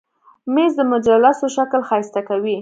مېز د مجلسو شکل ښایسته کوي.